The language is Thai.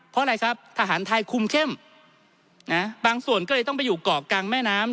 เพราะอะไรครับทหารไทยคุมเข้มนะบางส่วนก็เลยต้องไปอยู่เกาะกลางแม่น้ำ